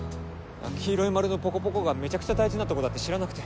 黄色い丸のポコポコがめちゃくちゃ大事なとこだって知らなくて。